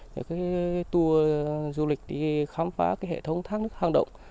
tour du lịch đi khám phá hệ thống thác nước hang động